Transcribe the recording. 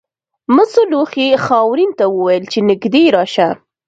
مسو لوښي خاورین ته وویل چې نږدې راشه.